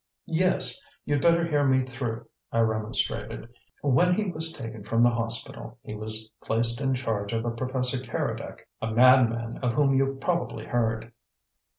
"Yes. You'd better hear me through," I remonstrated. "When he was taken from the hospital, he was placed in charge of a Professor Keredec, a madman of whom you've probably heard."